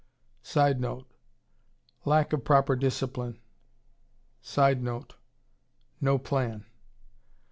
[Sidenote: Lack of proper discipline.] [Sidenote: "No plan."